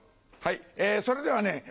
はいそれではね